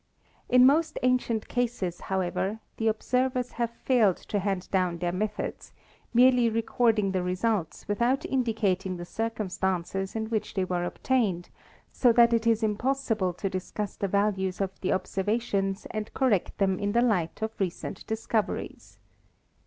In most ancient cases, however, the observers have failed to hand down their methods, merely recording the results without indicating the circumstances in which they were obtained, so that it is impossible to discuss the values of the observations and correct them in the light of recent 12 ASTRONOMY discoveries.